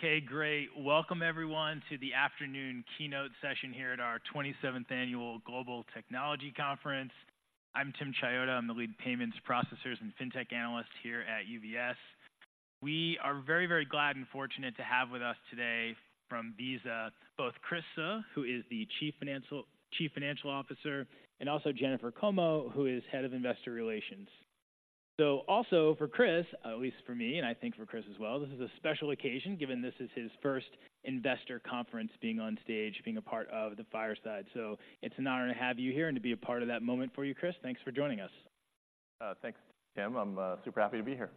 Okay, great. Welcome everyone to the afternoon keynote session here at our 27th Annual Global Technology Conference. I'm Timothy Chiodo, I'm the lead payments processors and fintech analyst here at UBS. We are very, very glad and fortunate to have with us today from Visa, both Chris Suh, who is the chief financial officer, and also Jennifer Como, who is head of investor relations. So also for Chris, at least for me, and I think for Chris as well, this is a special occasion, given this is his first investor conference being on stage, being a part of the fireside. So it's an honor to have you here and to be a part of that moment for you, Chris. Thanks for joining us. Thanks, Timothy. I'm super happy to be here.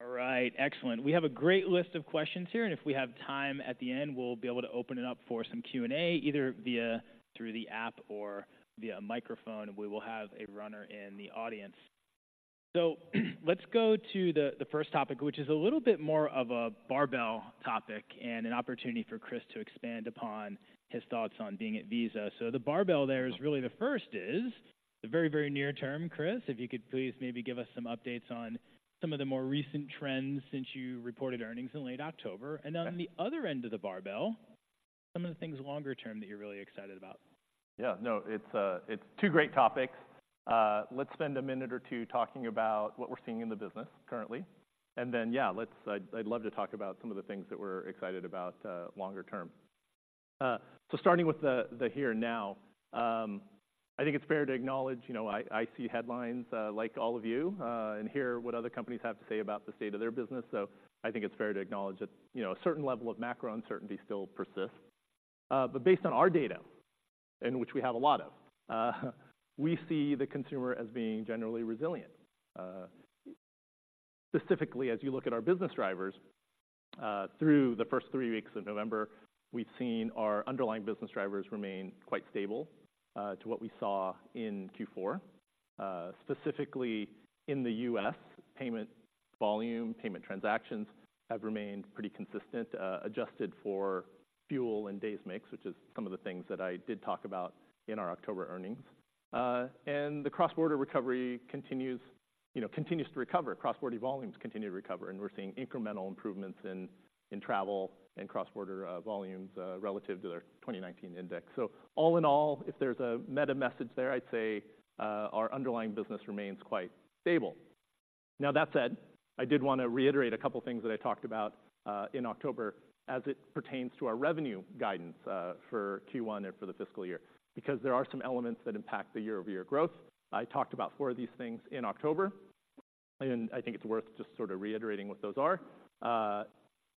All right, excellent. We have a great list of questions here, and if we have time at the end, we'll be able to open it up for some Q&A, either through the app or via a microphone. We will have a runner in the audience. So let's go to the first topic, which is a little bit more of a barbell topic and an opportunity for Chris to expand upon his thoughts on being at Visa. So the barbell there is really the first is the very, very near term, Chris, if you could please maybe give us some updates on some of the more recent trends since you reported earnings in late October. Okay. On the other end of the barbell, some of the things longer term that you're really excited about. Yeah, no, it's two great topics. Let's spend a minute or two talking about what we're seeing in the business currently, and then, yeah, let's... I'd love to talk about some of the things that we're excited about longer term. So starting with the here and now, I think it's fair to acknowledge, you know, I see headlines like all of you and hear what other companies have to say about the state of their business. So I think it's fair to acknowledge that, you know, a certain level of macro uncertainty still persists. But based on our data, and which we have a lot of, we see the consumer as being generally resilient. Specifically, as you look at our business drivers, through the first three weeks of November, we've seen our underlying business drivers remain quite stable, to what we saw in Q4. Specifically in the U.S., payment volume, payment transactions have remained pretty consistent, adjusted for fuel and days mix, which is some of the things that I did talk about in our October earnings. And the cross-border recovery continues, you know, continues to recover. Cross-border volumes continue to recover, and we're seeing incremental improvements in travel and cross-border volumes, relative to their 2019 index. So all in all, if there's a meta message there, I'd say, our underlying business remains quite stable. Now, that said, I did want to reiterate a couple of things that I talked about in October as it pertains to our revenue guidance for Q1 and for the fiscal year, because there are some elements that impact the year-over-year growth. I talked about four of these things in October, and I think it's worth just sort of reiterating what those are,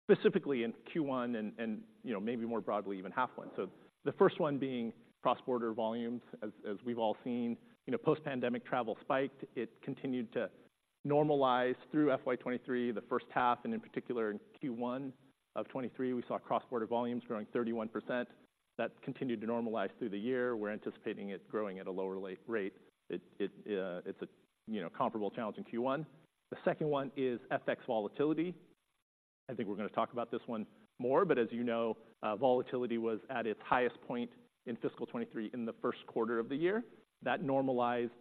specifically in Q1 and, you know, maybe more broadly, even first half. So the first one being cross-border volumes. As we've all seen, you know, post-pandemic travel spiked. It continued to normalize through FY 2023, the first half, and in particular, in Q1 of 2023, we saw cross-border volumes growing 31%. That continued to normalize through the year. We're anticipating it growing at a lower rate. It's a, you know, comparable challenge in Q1. The second one is FX volatility. I think we're going to talk about this one more, but as you know, volatility was at its highest point in fiscal 2023, in the first quarter of the year. That normalized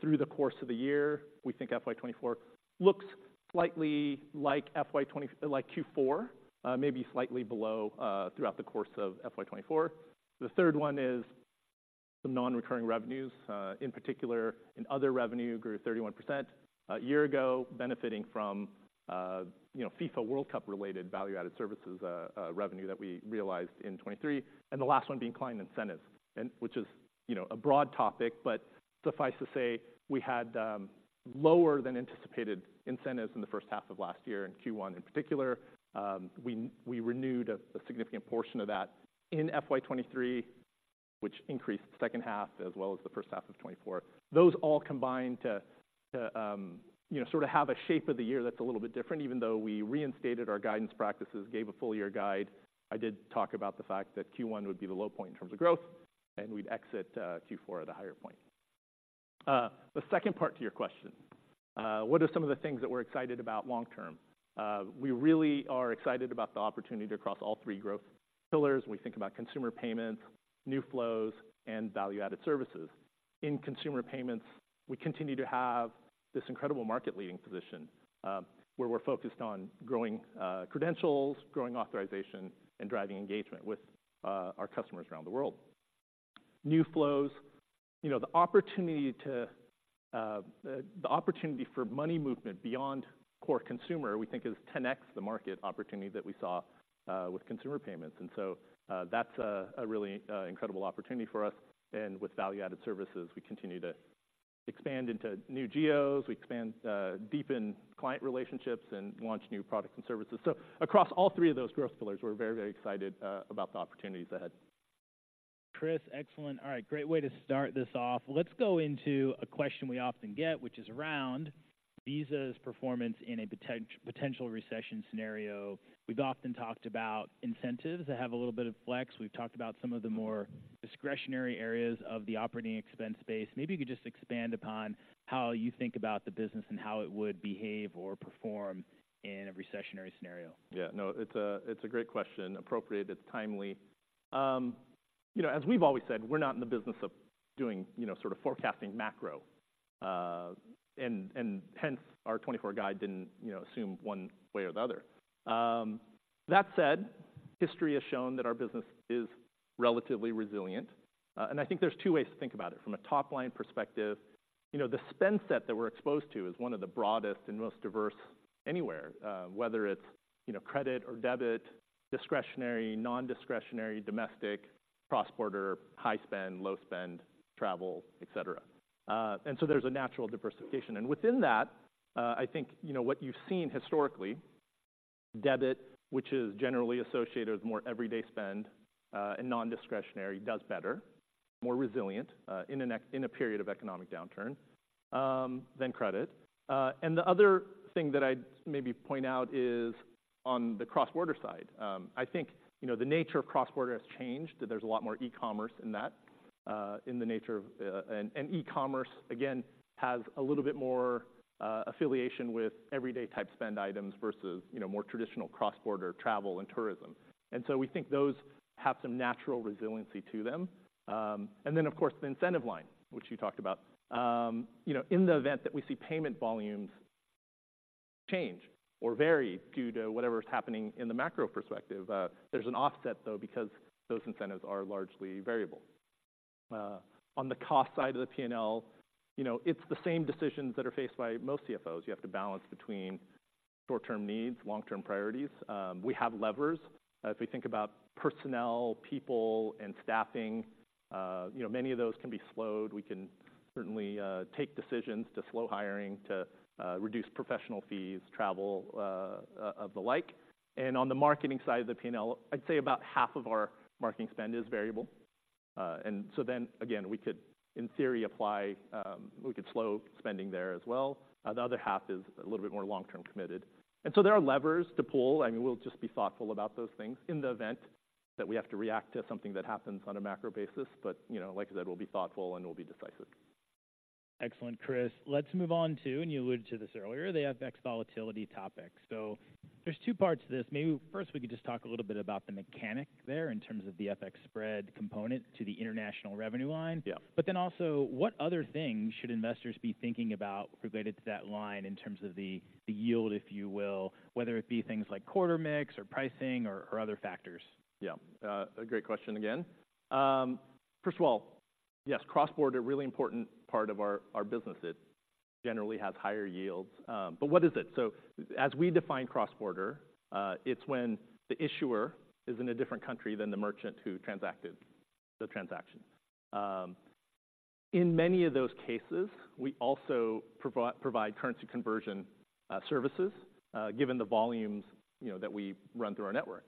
through the course of the year. We think FY 2024 looks slightly like FY twenty... Like Q4, maybe slightly below, throughout the course of FY 2024. The third one is the non-recurring revenues, in particular, in other revenue, grew 31%. A year ago, benefiting from, you know, FIFA World Cup-related value-added services revenue that we realized in 2023, and the last one being client incentives and which is, you know, a broad topic, but suffice to say, we had lower than anticipated incentives in the first half of last year, in Q1 in particular. We renewed a significant portion of that in FY 2023, which increased the second half, as well as the first half of 2024. Those all combined to you know, sort of have a shape of the year that's a little bit different. Even though we reinstated our guidance practices, gave a full-year guide, I did talk about the fact that Q1 would be the low point in terms of growth, and we'd exit Q4 at a higher point. The second part to your question, what are some of the things that we're excited about long term? We really are excited about the opportunity across all three growth pillars. We think about consumer payments, new flows, and value-added services. In consumer payments, we continue to have this incredible market-leading position, where we're focused on growing credentials, growing authorization, and driving engagement with our customers around the world. New flows, you know, the opportunity for money movement beyond core consumer, we think is 10x the market opportunity that we saw with consumer payments. And so, that's a really incredible opportunity for us, and with value-added services, we continue to expand into new geos. We expand, deepen client relationships, and launch new products and services. So across all three of those growth pillars, we're very, very excited about the opportunities ahead. Chris, excellent. All right, great way to start this off. Let's go into a question we often get, which is around Visa's performance in a potential recession scenario. We've often talked about incentives that have a little bit of flex. We've talked about some of the more discretionary areas of the operating expense base. Maybe you could just expand upon how you think about the business and how it would behave or perform in a recessionary scenario. Yeah. No, it's a great question. Appropriate, it's timely. You know, as we've always said, we're not in the business of doing, you know, sort of forecasting macro... and hence our 2024 guide didn't, you know, assume one way or the other. That said, history has shown that our business is relatively resilient. And I think there's two ways to think about it. From a top-line perspective, you know, the spend set that we're exposed to is one of the broadest and most diverse anywhere, whether it's, you know, credit or debit, discretionary, non-discretionary, domestic, cross-border, high spend, low spend, travel, et cetera. And so there's a natural diversification. Within that, I think, you know, what you've seen historically, debit, which is generally associated with more everyday spend and non-discretionary, does better, more resilient, in a period of economic downturn, than credit. And the other thing that I'd maybe point out is on the cross-border side. I think, you know, the nature of cross-border has changed, that there's a lot more e-commerce in that, in the nature of. And e-commerce, again, has a little bit more affiliation with everyday type spend items versus, you know, more traditional cross-border travel and tourism. And so we think those have some natural resiliency to them. And then, of course, the incentive line, which you talked about. You know, in the event that we see payment volumes change or vary due to whatever is happening in the macro perspective, there's an offset, though, because those incentives are largely variable. On the cost side of the P&L, you know, it's the same decisions that are faced by most CFOs. You have to balance between short-term needs, long-term priorities. We have levers. If we think about personnel, people, and staffing, you know, many of those can be slowed. We can certainly take decisions to slow hiring, to reduce professional fees, travel, of the like. And on the marketing side of the P&L, I'd say about half of our marketing spend is variable. And so then again, we could, in theory, apply, we could slow spending there as well. The other half is a little bit more long-term committed. And so there are levers to pull. I mean, we'll just be thoughtful about those things in the event that we have to react to something that happens on a macro basis. But, you know, like I said, we'll be thoughtful and we'll be decisive. Excellent, Chris. Let's move on to, and you alluded to this earlier, the FX volatility topic. So there's two parts to this. Maybe first, we could just talk a little bit about the mechanics there in terms of the FX spread component to the international revenue line. Yeah. But then also, what other things should investors be thinking about related to that line in terms of the, the yield, if you will, whether it be things like quarter mix or pricing or, or other factors? Yeah. A great question again. First of all, yes, cross-border, a really important part of our business. It generally has higher yields. But what is it? So as we define cross-border, it's when the issuer is in a different country than the merchant who transacted the transaction. In many of those cases, we also provide currency conversion services. Given the volumes, you know, that we run through our network,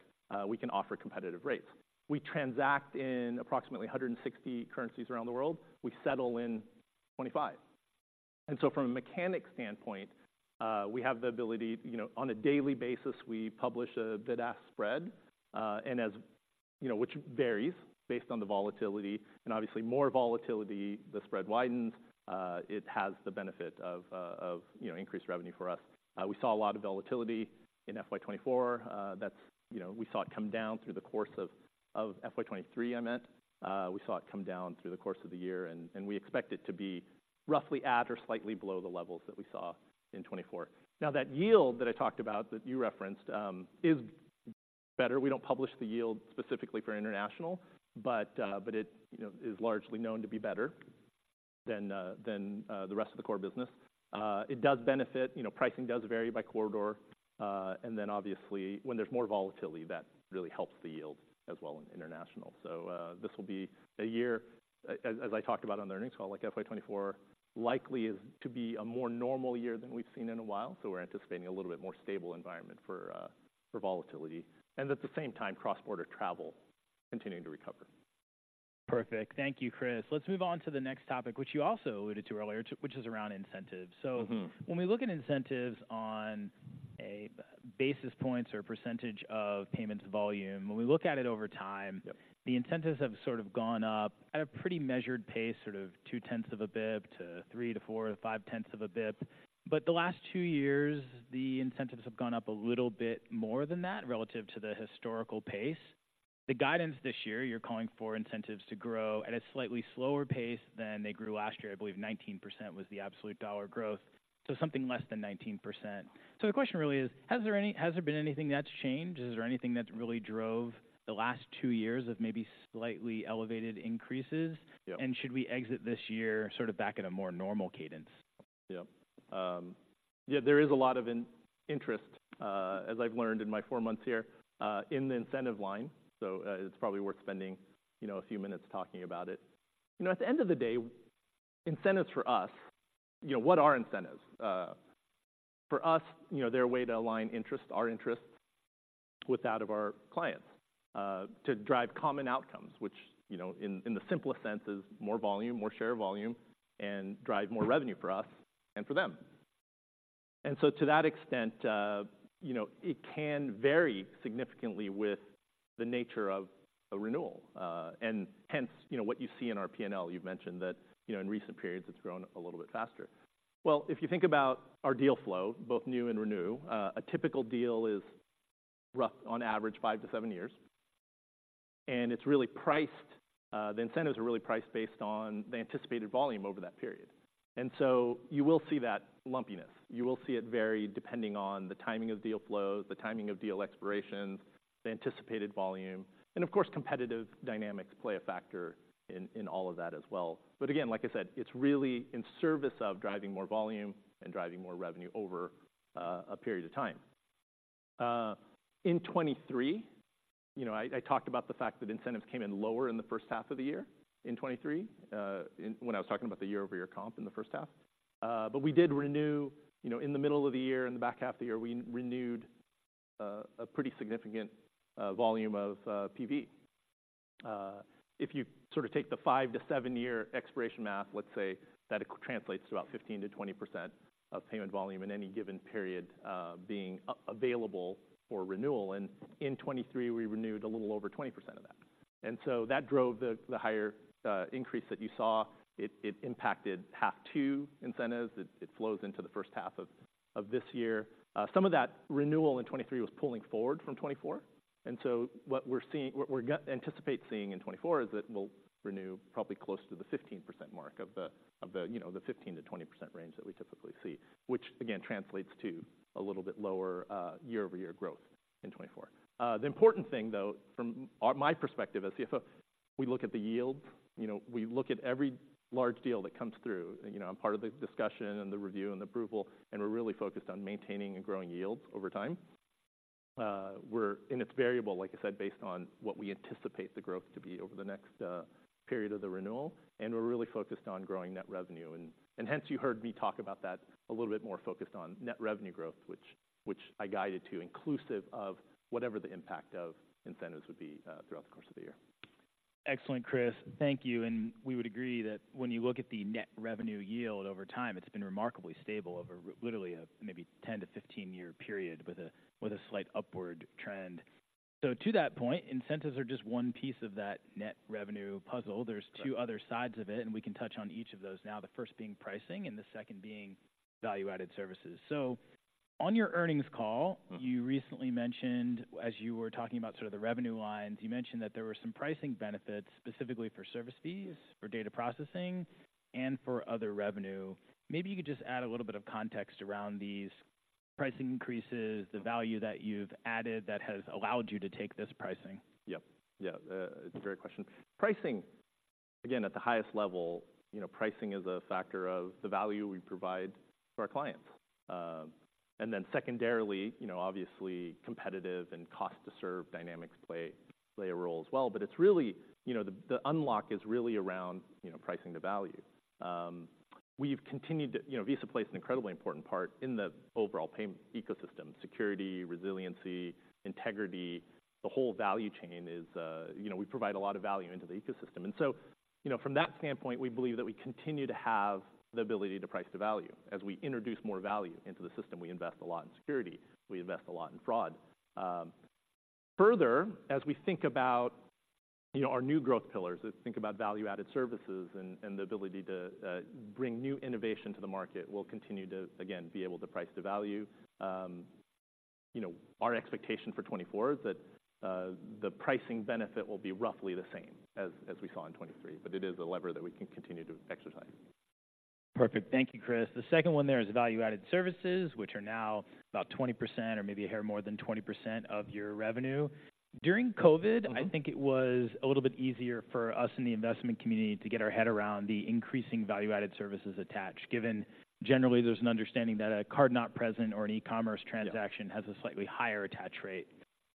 we can offer competitive rates. We transact in approximately 160 currencies around the world. We settle in 25. And so from a mechanic standpoint, we have the ability, you know, on a daily basis, we publish a bid-ask spread, and, you know, which varies based on the volatility. Obviously, more volatility, the spread widens, it has the benefit of, you know, increased revenue for us. We saw a lot of volatility in FY 2024. That's, you know, we saw it come down through the course of FY 2023, I meant. We saw it come down through the course of the year, and we expect it to be roughly at or slightly below the levels that we saw in 2024. Now, that yield that I talked about, that you referenced, is better. We don't publish the yield specifically for international, but it, you know, is largely known to be better than the rest of the core business. It does benefit, you know, pricing does vary by corridor. And then obviously, when there's more volatility, that really helps the yield as well in international. So, this will be a year, as I talked about on the earnings call, like FY 2024, likely is to be a more normal year than we've seen in a while. So we're anticipating a little bit more stable environment for volatility, and at the same time, cross-border travel continuing to recover. Perfect. Thank you, Chris. Let's move on to the next topic, which you also alluded to earlier, which is around incentives. Mm-hmm. So when we look at incentives on a basis points or percentage of payments volume, when we look at it over time- Yep... the incentives have sort of gone up at a pretty measured pace, sort of 0.2 of a basis point to 0.3-0.4-0.5 of a basis point. But the last two years, the incentives have gone up a little bit more than that, relative to the historical pace. The guidance this year, you're calling for incentives to grow at a slightly slower pace than they grew last year. I believe 19% was the absolute dollar growth, so something less than 19%. So the question really is: Has there been anything that's changed? Is there anything that really drove the last two years of maybe slightly elevated increases? Yeah. Should we exit this year sort of back at a more normal cadence? Yeah. Yeah, there is a lot of interest, as I've learned in my four months here, in the incentive line, so it's probably worth spending, you know, a few minutes talking about it. You know, at the end of the day, incentives for us, you know, what are incentives? For us, you know, they're a way to align interests, our interests, with that of our clients, to drive common outcomes, which, you know, in the simplest sense, is more volume, more share volume, and drive more revenue for us and for them. And so to that extent, you know, it can vary significantly with the nature of a renewal, and hence, you know, what you see in our P&L. You've mentioned that, you know, in recent periods, it's grown a little bit faster. Well, if you think about our deal flow, both new and renew, a typical deal is roughly, on average, five to seven years, and it's really priced, the incentives are really priced based on the anticipated volume over that period. And so you will see that lumpiness. You will see it vary depending on the timing of deal flows, the timing of deal expirations, the anticipated volume, and of course, competitive dynamics play a factor in all of that as well. But again, like I said, it's really in service of driving more volume and driving more revenue over a period of time. In 2023, you know, I talked about the fact that incentives came in lower in the first half of the year, in 2023, when I was talking about the year-over-year comp in the first half. But we did renew, you know, in the middle of the year, in the back half of the year, we renewed a pretty significant volume of PV. If you sort of take the five-seven-year expiration math, let's say that it translates to about 15%-20% of payment volume in any given period, being available for renewal, and in 2023, we renewed a little over 20% of that. And so that drove the higher increase that you saw. It impacted H2 incentives. It flows into the first half of this year. Some of that renewal in 2023 was pulling forward from 2024, and so what we anticipate seeing in 2024 is that we'll renew probably close to the 15% mark of the, of the, you know, the 15%-20% range that we typically see, which again, translates to a little bit lower year-over-year growth in 2024. The important thing, though, from my perspective, as CFO, we look at the yields, you know, we look at every large deal that comes through. You know, I'm part of the discussion and the review and approval, and we're really focused on maintaining and growing yields over time. We're, and it's variable, like I said, based on what we anticipate the growth to be over the next, period of the renewal, and we're really focused on growing net revenue. Hence, you heard me talk about that a little bit more focused on net revenue growth, which I guided to inclusive of whatever the impact of incentives would be, throughout the course of the year. Excellent, Chris. Thank you, and we would agree that when you look at the net revenue yield over time, it's been remarkably stable over literally a maybe 10-15-year period with a slight upward trend. So to that point, incentives are just one piece of that net revenue puzzle. Right. There's two other sides of it, and we can touch on each of those now, the first being pricing and the second being value-added services. So on your earnings call- Mm-hmm. You recently mentioned, as you were talking about sort of the revenue lines, you mentioned that there were some pricing benefits, specifically for service fees, for data processing, and for other revenue. Maybe you could just add a little bit of context around these pricing increases, the value that you've added that has allowed you to take this pricing. Yep. Yeah, it's a great question. Pricing, again, at the highest level, you know, pricing is a factor of the value we provide to our clients. And then secondarily, you know, obviously, competitive and cost-to-serve dynamics play a role as well, but it's really, you know, the unlock is really around, you know, pricing to value. We've continued to... You know, Visa plays an incredibly important part in the overall payment ecosystem, security, resiliency, integrity. The whole value chain is... You know, we provide a lot of value into the ecosystem. And so, you know, from that standpoint, we believe that we continue to have the ability to price the value. As we introduce more value into the system, we invest a lot in security. We invest a lot in fraud. Further, as we think about, you know, our new growth pillars, let's think about value-added services and, and the ability to bring new innovation to the market, we'll continue to, again, be able to price the value. You know, our expectation for 2024 is that the pricing benefit will be roughly the same as, as we saw in 2023, but it is a lever that we can continue to exercise. Perfect. Thank you, Chris. The second one there is value-added services, which are now about 20% or maybe a hair more than 20% of your revenue. During COVID- Mm-hmm. I think it was a little bit easier for us in the investment community to get our head around the increasing value-added services attached, given generally there's an understanding that a card-not-present or an e-commerce transaction Yeah... has a slightly higher attach rate.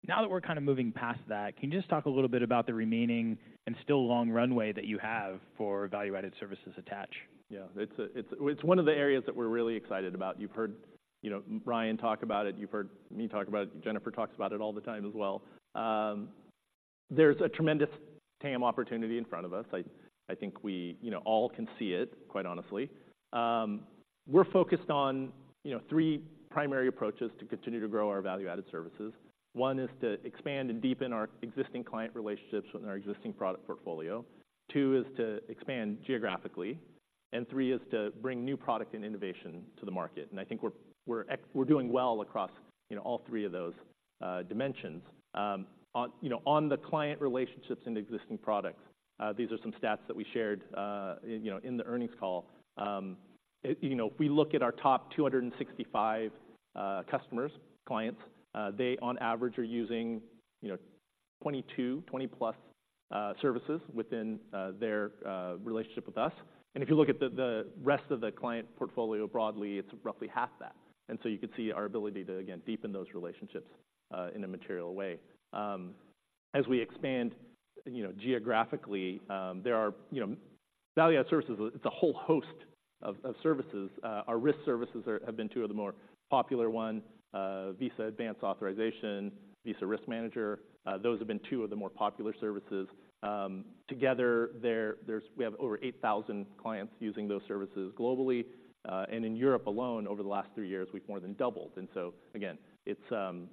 Now that we're kind of moving past that, can you just talk a little bit about the remaining and still long runway that you have for value-added services attach? Yeah, it's one of the areas that we're really excited about. You've heard, you know, Ryan talk about it. You've heard me talk about it. Jennifer talks about it all the time as well. There's a tremendous TAM opportunity in front of us. I think we, you know, all can see it, quite honestly. We're focused on, you know, three primary approaches to continue to grow our value-added services. One is to expand and deepen our existing client relationships with our existing product portfolio. Two is to expand geographically, and three is to bring new product and innovation to the market, and I think we're doing well across, you know, all three of those dimensions. On, you know, on the client relationships and existing products, these are some stats that we shared, you know, in the earnings call. You know, if we look at our top 265, customers, clients, they, on average, are using, you know, 22, 20-plus, services within, their, relationship with us. And if you look at the rest of the client portfolio broadly, it's roughly half that. And so you could see our ability to, again, deepen those relationships, in a material way. As we expand, you know, geographically, there are, you know, value-added services, it's a whole host of services. Our risk services are, have been two of the more popular one, Visa Advanced Authorization, Visa Risk Manager, those have been two of the more popular services. Together, there's—we have over 8,000 clients using those services globally, and in Europe alone, over the last three years, we've more than doubled. And so again, it's,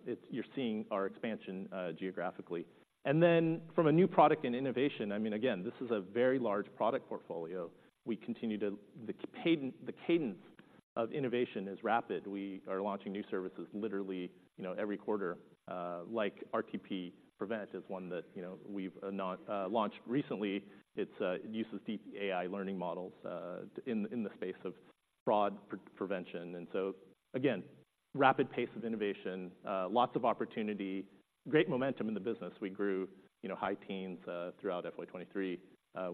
it's, you're seeing our expansion geographically. And then from a new product and innovation, I mean, again, this is a very large product portfolio. We continue to. The cadence of innovation is rapid. We are launching new services literally, you know, every quarter. Like RTP Prevent is one that, you know, we've launched recently. It's, it uses deep AI learning models in the space of fraud prevention. And so again, rapid pace of innovation, lots of opportunity, great momentum in the business. We grew, you know, high teens throughout FY 2023.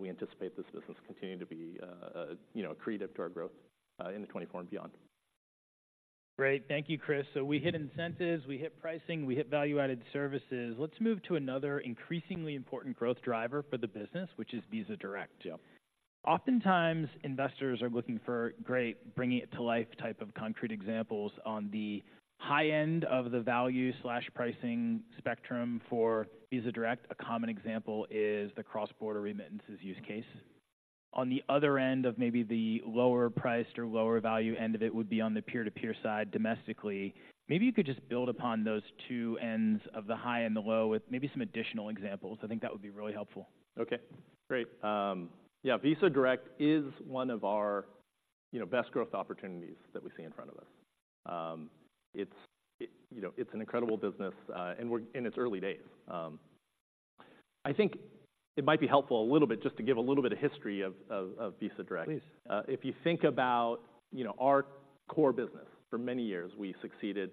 We anticipate this business continuing to be, you know, accretive to our growth, into 2024 and beyond. Great. Thank you, Chris. So we hit incentives, we hit pricing, we hit value-added services. Let's move to another increasingly important growth driver for the business, which is Visa Direct. Yeah. Oftentimes, investors are looking for great, bringing it to life type of concrete examples on the high end of the value/pricing spectrum for Visa Direct. A common example is the cross-border remittances use case. On the other end of maybe the lower priced or lower value end of it would be on the peer-to-peer side domestically. Maybe you could just build upon those two ends of the high and the low with maybe some additional examples. I think that would be really helpful. Okay, great. Yeah, Visa Direct is one of our, you know, best growth opportunities that we see in front of us. It's you know, it's an incredible business, and we're in its early days. I think it might be helpful a little bit just to give a little bit of history of Visa Direct. Please. If you think about, you know, our core business, for many years, we succeeded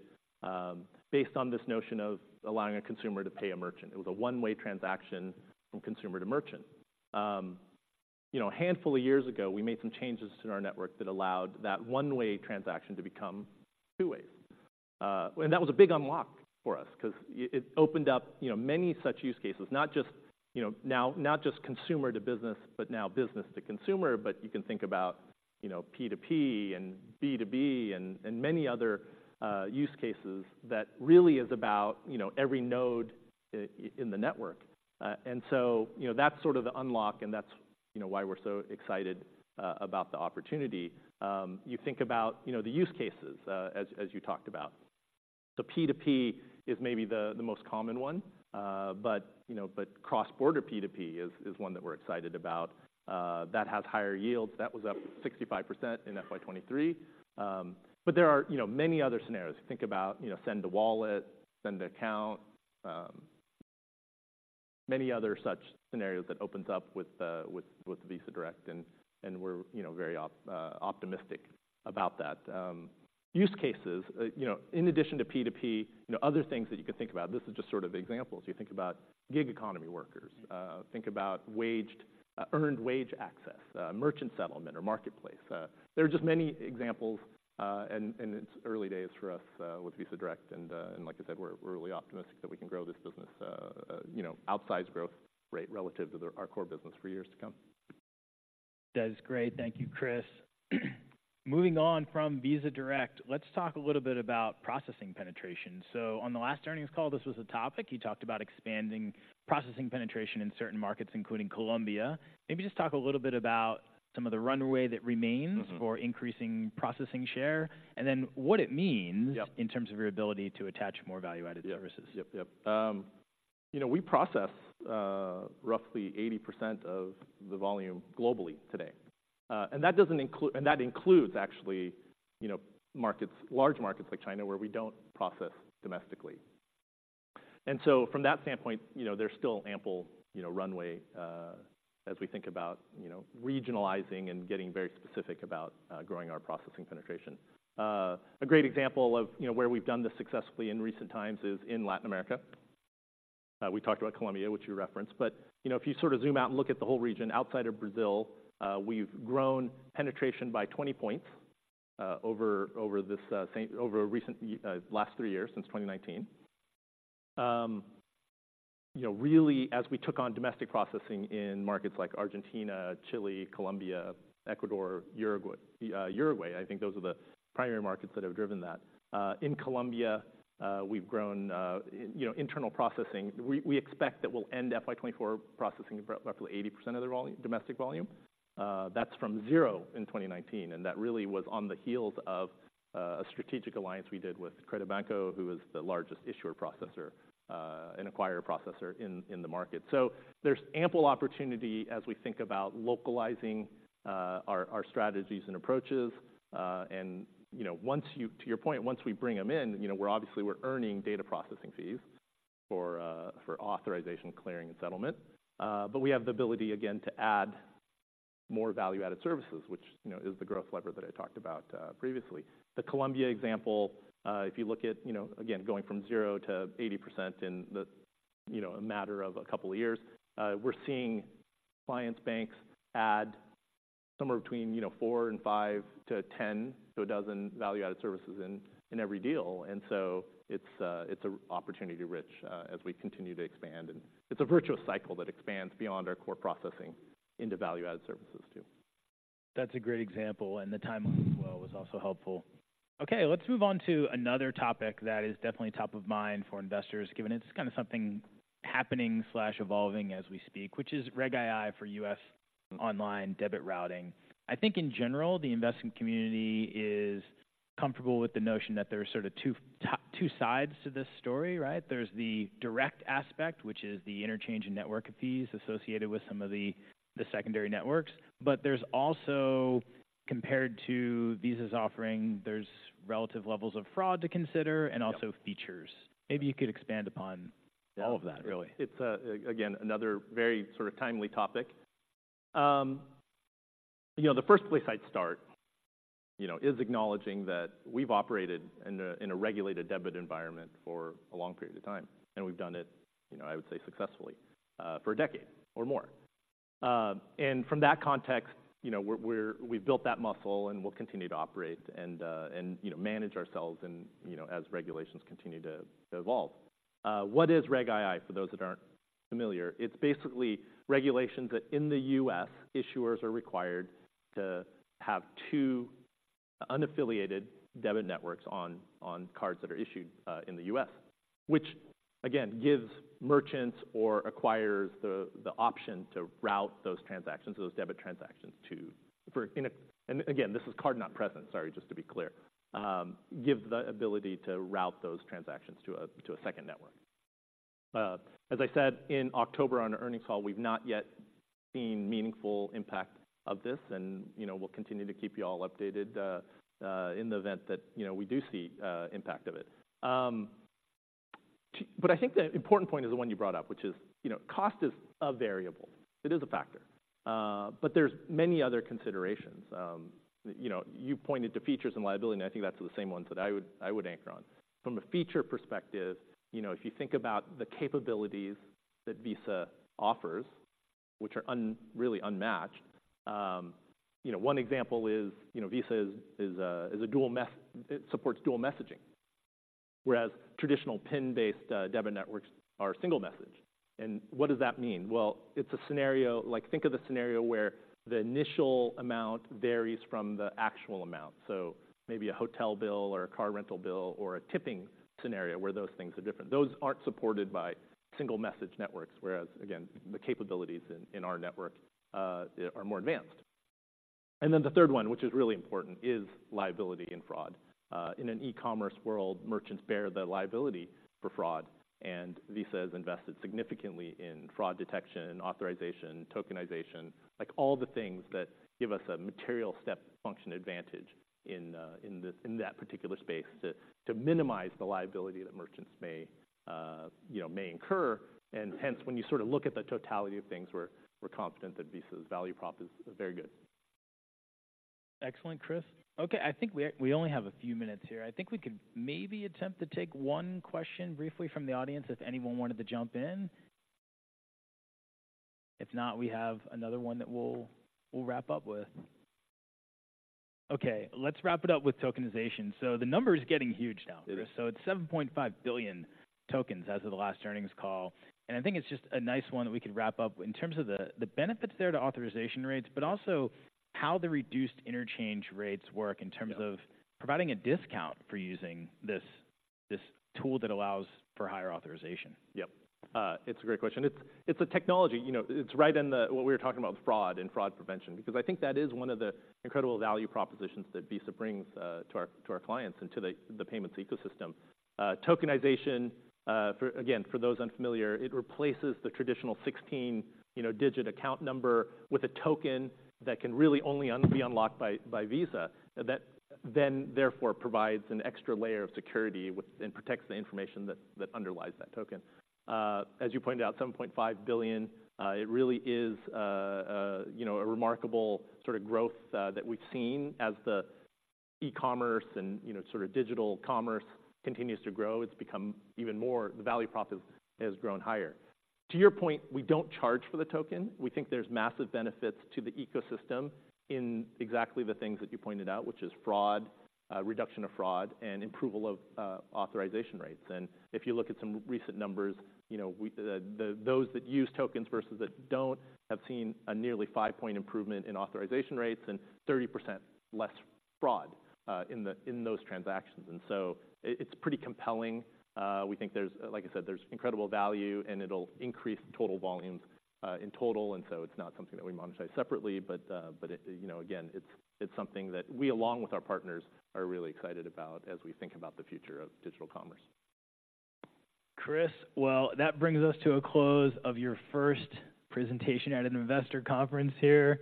based on this notion of allowing a consumer to pay a merchant. It was a one-way transaction from consumer to merchant. You know, a handful of years ago, we made some changes to our network that allowed that one-way transaction to become two-way. And that was a big unlock for us because it, it opened up, you know, many such use cases, not just, you know, now not just consumer to business, but now business to consumer, but you can think about, you know, P2P and B2B and many other use cases that really is about, you know, every node in the network. And so, you know, that's sort of the unlock, and that's, you know, why we're so excited about the opportunity. You think about, you know, the use cases, as you talked about. So P2P is maybe the most common one, but, you know, but cross-border P2P is one that we're excited about. That has higher yields. That was up 65% in FY 2023. But there are, you know, many other scenarios. Think about, you know, send to wallet, send to account, many other such scenarios that opens up with Visa Direct, and we're, you know, very optimistic about that. Use cases, you know, in addition to P2P, you know, other things that you can think about, this is just sort of examples. You think about gig economy workers, think about earned wage access, merchant settlement or marketplace. There are just many examples, and it's early days for us with Visa Direct, and like I said, we're really optimistic that we can grow this business, you know, outsized growth rate relative to our core business for years to come. That's great. Thank you, Chris. Moving on from Visa Direct, let's talk a little bit about processing penetration. On the last earnings call, this was a topic. You talked about expanding processing penetration in certain markets, including Colombia. Maybe just talk a little bit about some of the runway that remains- Mm-hmm... for increasing processing share, and then what it means- Yep... in terms of your ability to attach more value-added services. Yep, yep. You know, we process roughly 80% of the volume globally today. And that doesn't include... and that includes actually, you know, markets, large markets like China, where we don't process domestically. And so from that standpoint, you know, there's still ample, you know, runway, as we think about, you know, regionalizing and getting very specific about, growing our processing penetration. A great example of, you know, where we've done this successfully in recent times is in Latin America. We talked about Colombia, which you referenced, but, you know, if you sort of zoom out and look at the whole region outside of Brazil, we've grown penetration by 20 points, over the last 3 years, since 2019. You know, really, as we took on domestic processing in markets like Argentina, Chile, Colombia, Ecuador, Uruguay, Uruguay, I think those are the primary markets that have driven that. In Colombia, we've grown, you know, internal processing. We expect that we'll end FY 2024 processing roughly 80% of the domestic volume. That's from zero in 2019, and that really was on the heels of a strategic alliance we did with CredibanCo, who is the largest issuer processor and acquirer processor in the market. So there's ample opportunity as we think about localizing our strategies and approaches. And, you know, once you... To your point, once we bring them in, you know, we're obviously earning data processing fees for authorization, clearing, and settlement. But we have the ability, again, to add more value-added services, which, you know, is the growth lever that I talked about, previously. The Colombia example, if you look at, you know, again, going from 0% to 80% in the, you know, a matter of a couple of years, we're seeing clients, banks add somewhere between, you know, four and five to 10 to 12 value-added services in, in every deal. And so it's, it's opportunity rich, as we continue to expand, and it's a virtuous cycle that expands beyond our core processing into value-added services too. That's a great example, and the timeline as well was also helpful. Okay, let's move on to another topic that is definitely top of mind for investors, given it's kind of something happening/evolving as we speak, which is Reg II for U.S. online debit routing. I think in general, the investing community is comfortable with the notion that there are sort of two sides to this story, right? There's the direct aspect, which is the interchange and network fees associated with some of the secondary networks, but there's also, compared to Visa's offering, there's relative levels of fraud to consider- Yep. And also features. Maybe you could expand upon all of that, really. It's again another very sort of timely topic. You know, the first place I'd start, you know, is acknowledging that we've operated in a, in a regulated debit environment for a long period of time, and we've done it, you know, I would say successfully, for a decade or more. And from that context, you know, we're, we're—we've built that muscle, and we'll continue to operate and, and, you know, manage ourselves and, you know, as regulations continue to, to evolve. What is Reg II, for those that aren't familiar? It's basically regulations that, in the U.S., issuers are required to have two unaffiliated debit networks on, on cards that are issued, in the U.S., which again, gives merchants or acquirers the, the option to route those transactions, those debit transactions, to... And again, this is card-not-present, sorry, just to be clear, give the ability to route those transactions to a, to a second network. As I said in October on the earnings call, we've not yet seen meaningful impact of this and, you know, we'll continue to keep you all updated, in the event that, you know, we do see, impact of it. But I think the important point is the one you brought up, which is, you know, cost is a variable. It is a factor, but there's many other considerations. You know, you pointed to features and liability, and I think that's the same ones that I would, I would anchor on. From a feature perspective, you know, if you think about the capabilities that Visa offers, which are really unmatched, you know, one example is, you know, Visa supports dual messaging, whereas traditional PIN-based debit networks are single message. And what does that mean? Well, it's a scenario. Like, think of a scenario where the initial amount varies from the actual amount, so maybe a hotel bill or a car rental bill or a tipping scenario where those things are different. Those aren't supported by single message networks, whereas, again, the capabilities in our network are more advanced. And then the third one, which is really important, is liability and fraud. In an e-commerce world, merchants bear the liability for fraud, and Visa has invested significantly in fraud detection, authorization, tokenization, like, all the things that give us a material step function advantage in that particular space to minimize the liability that merchants may, you know, incur. And hence, when you sort of look at the totality of things, we're confident that Visa's value prop is very good. Excellent, Chris. Okay, I think we are. We only have a few minutes here. I think we could maybe attempt to take one question briefly from the audience, if anyone wanted to jump in. If not, we have another one that we'll wrap up with. Okay, let's wrap it up with tokenization. So the number is getting huge now. It is. So it's 7.5 billion tokens as of the last earnings call, and I think it's just a nice one that we could wrap up in terms of the benefits there to authorization rates, but also how the reduced interchange rates work in terms- Yep... of providing a discount for using this tool that allows for higher authorization. Yep. It's a great question. It's a technology, you know, it's right in the what we were talking about with fraud and fraud prevention, because I think that is one of the incredible value propositions that Visa brings to our clients and to the payments ecosystem. Tokenization, for again, for those unfamiliar, it replaces the traditional 16-digit account number with a token that can really only be unlocked by Visa, that then therefore provides an extra layer of security and protects the information that underlies that token. As you pointed out, 7.5 billion, it really is you know a remarkable sort of growth that we've seen as the e-commerce and you know sort of digital commerce continues to grow. It's become even more, the value prop has grown higher. To your point, we don't charge for the token. We think there's massive benefits to the ecosystem in exactly the things that you pointed out, which is fraud, reduction of fraud, and improvement of authorization rates. And if you look at some recent numbers, you know, those that use tokens versus that don't have seen a nearly five-point improvement in authorization rates and 30% less fraud in those transactions. And so it's pretty compelling. We think there's, like I said, there's incredible value, and it'll increase total volumes, in total, and so it's not something that we monetize separately, but, but it, you know, again, it's, it's something that we, along with our partners, are really excited about as we think about the future of digital commerce. Chris, well, that brings us to a close of your first presentation at an investor conference here.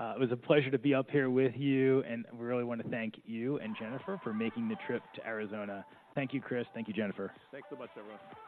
It was a pleasure to be up here with you, and we really wanna thank you and Jennifer for making the trip to Arizona. Thank you, Chris. Thank you, Jennifer. Thanks so much, everyone.